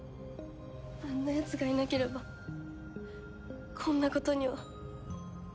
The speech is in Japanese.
あんなやつがいなければこんなことには。